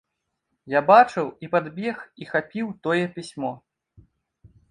Я бачыў і падбег і хапіў тое пісьмо.